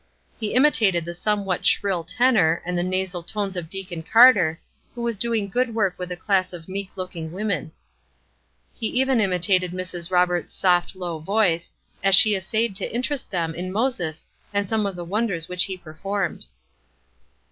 He imitated the somewhat shrill tenor, and the nasal tones of Deacon Carter, who was doing good work with a class of meek looking women. He even imitated Mrs. Roberts' soft, low voice, as she essayed to interest them in Moses and some of the wonders which he performed.